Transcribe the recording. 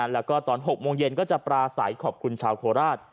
แล้วก็ตอน๖โมงเย็นก็จะปราศัยขอบคุณชาวโคราช